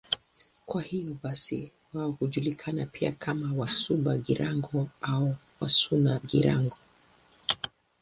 Kwa hiyo basi wao hujulikana pia kama Wasuba-Girango au Wasuna-Girango.